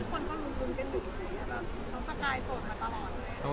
คือทุกคนกำลังลุ้มกนเต็มดู